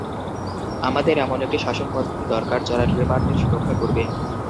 আমাদের এমন একটি শাসনপদ্ধতি দরকার যারা ড্রিমারদের সুরক্ষা করবে।